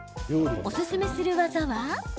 おすすめする技は。